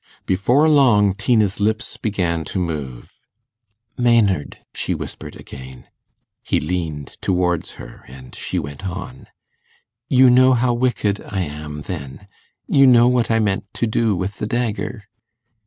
Before long, Tina's lips began to move. 'Maynard,' she whispered again. He leaned towards her, and she went on. 'You know how wicked I am, then? You know what I meant to do with the dagger?